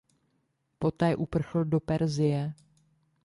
Poté uprchl do Persie.